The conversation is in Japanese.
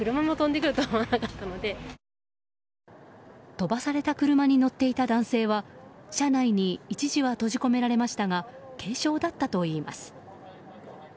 飛ばされた車に乗っていた男性は車内に一時閉じ込められましたが軽傷だったといいます。